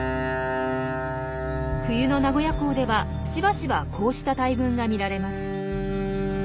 冬の名古屋港ではしばしばこうした大群が見られます。